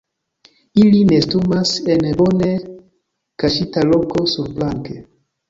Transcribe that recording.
Ili nestumas en bone kaŝita loko surplanke.